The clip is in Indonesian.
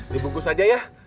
dibungkus aja ya